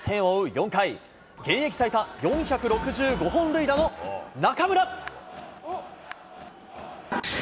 ４回、現役最多４６５本塁打の中村。